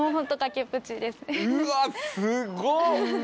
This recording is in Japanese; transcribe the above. うわすごっ。